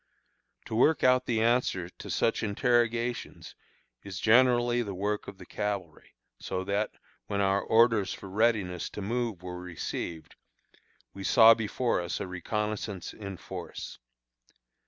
To work out the answer to such interrogations is generally the work of the cavalry; so that, when our orders for readiness to move were received, we saw before us a reconnoissance in force.